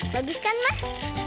bagus kan mah